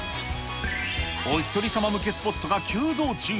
おひとり様向けスポットが急増中。